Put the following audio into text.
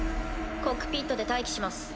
コクピットで待機します。